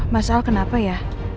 mas al kenapa ya